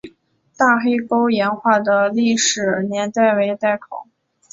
大黑沟岩画的历史年代为待考。